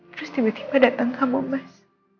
terus tiba tiba datang kamu mas